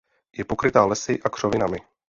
Je pokryta lesy a křovinami.